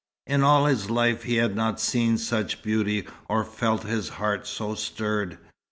In all his life he had not seen such beauty or felt his heart so stirred.